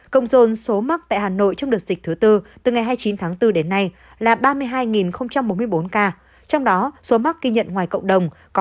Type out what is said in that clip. cộng dồn số mắc tại hà nội trong đợt dịch thứ tư từ ngày hai mươi chín tháng bốn đến nay là ba mươi hai bốn mươi bốn ca trong đó số mắc ghi nhận ngoài cộng đồng có một mươi một sáu trăm ba mươi chín ca